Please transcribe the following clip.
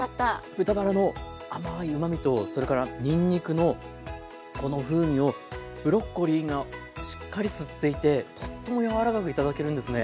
豚バラの甘いうまみとそれからにんにくのこの風味をブロッコリーがしっかり吸っていてとっても柔らかく頂けるんですね。